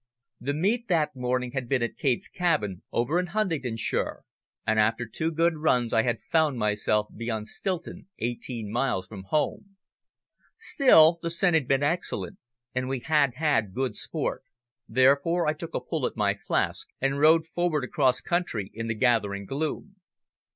The meet that morning had been at Kate's Cabin, over in Huntingdonshire, and after two good runs I had found myself beyond Stilton, eighteen miles from home. Still, the scent had been excellent, and we had had good sport, therefore I took a pull at my flask and rode forward across country in the gathering gloom.